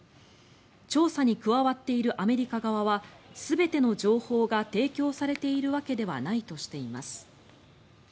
調査に加わっているアメリカ側は全ての情報が提供されているわけではないとしています。